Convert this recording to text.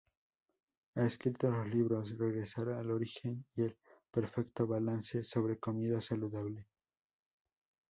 Ha escrito los libros "Regresar al origen" y "El perfecto balance", sobre comida saludable.